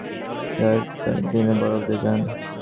জেলেরা সাগর মোহনায় মাছ ধরতে যাওয়ার সময় সাত-আট দিনের বরফ নিয়ে যান।